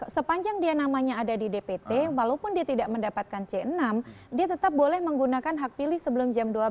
sepanjang dia namanya ada di dpt walaupun dia tidak mendapatkan c enam dia tetap boleh menggunakan hak pilih sebelum jam dua belas